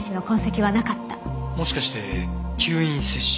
もしかして吸引摂取？